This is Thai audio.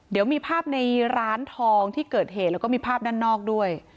เดี๋ยวมีภาพในร้านทองที่เกิดเหตุแล้วก็มีภาพด้านนอกด้วย